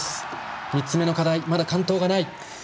３つ目の課題、まだ完登がない。